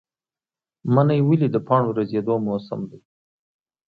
منی ولې د پاڼو ریژیدو موسم دی؟